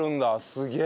すげえ。